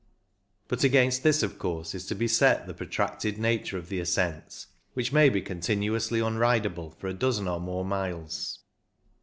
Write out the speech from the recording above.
But against this, of course, is to be set the protracted nature of the ascents, which may be continuously unridable for a dozen or more miles.